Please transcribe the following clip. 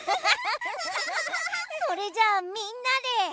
それじゃあみんなで。